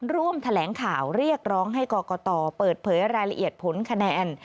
ร่วมแถลงข่าวเรียกร้องให้กรกตเปิดเผยรายละเอียดผลคะแนน